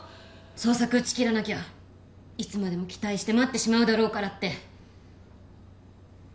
捜索打ち切らなきゃいつまでも期待して待ってしまうだろうからって。